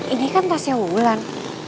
ini kan tasnya wulan